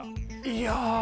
いや。